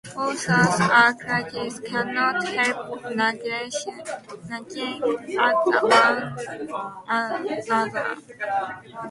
Authors and critics cannot help nagging at one another.